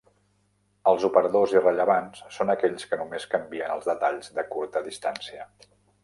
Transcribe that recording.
Els operadors irrellevants són aquells que només canvien els detalls de curta distància.